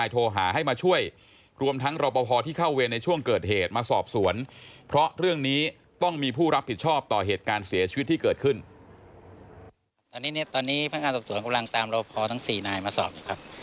ตอนนี้เพื่อนการสอบสวนกำลังตามรวพพอร์ทั้ง๔นายมาสอบ